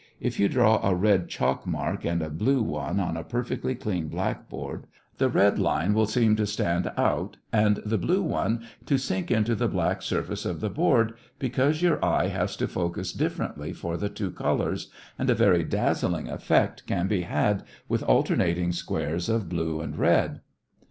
If you draw a red chalk mark and a blue one on a perfectly clean blackboard, the red line will seem to stand out and the blue one to sink into the black surface of the board, because your eye has to focus differently for the two colors, and a very dazzling effect can be had with alternating squares of blue and red.